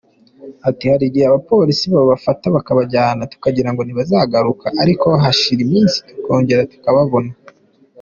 Ati “Hari igihe abapolisi babafata bakabajyana tukagirango ntibazagaruka, ariko hashira iminsi tukongera tukababona.